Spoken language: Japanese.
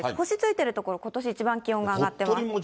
星ついている所、ことし一番気温が上がっています。